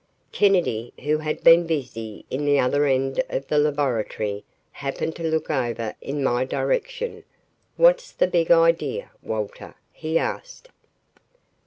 Kennedy, who had been busy in the other end of the laboratory, happened to look over in my direction. "What's the big idea, Walter?" he asked.